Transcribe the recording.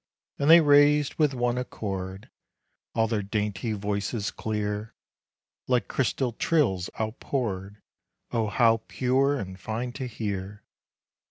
And they raised with one accord All their dainty voices clear, Little crystal trills outpoured Oh, how pure and fine to hear!